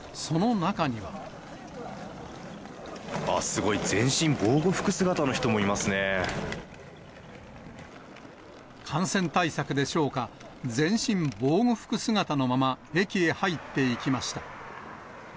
すごい、感染対策でしょうか、全身防護服姿のまま、駅へ入っていきました。